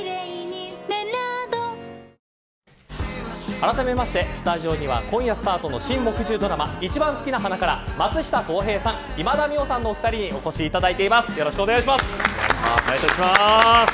あらためまして、スタジオには今夜スタートの新木１０ドラマいちばんすきな花から松下洸平さん、今田美桜さんのお２人によろしくお願いします。